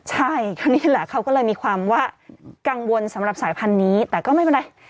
ใช่ก็นี่แหละเขาก็เลยมีความว่ากังวลสำหรับสายพันธุ์นี้แต่ก็ไม่เป็นไร